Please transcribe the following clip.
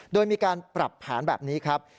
โดยมีการปรับแผนแบบนี้ครับ